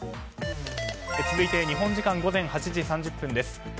続いて、日本時間午前８時３０分です。